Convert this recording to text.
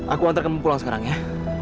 aku hantar kamu pulang sekarang ya